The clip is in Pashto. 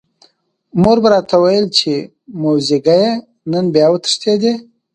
مور به راته ویل چې موزیګیه نن بیا وتښتېدې.